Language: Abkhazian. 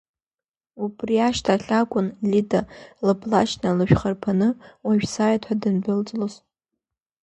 Убри ашьҭахь акәын Лида лыплашь налышәхарԥаны, уажә сааиуеит ҳәа дандәылҵлоз.